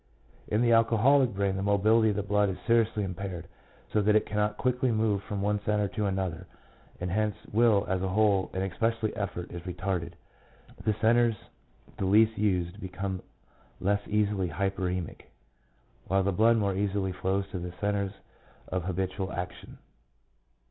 In the alcoholic brain the mobility of the blood is seriously impaired, so that it cannot quickly move from one centre to another, and hence will as a whole, and especially effort, is retarded ; the centres the least used become less easily hyperemic, while the blood more easily flows to the centres of habitual action.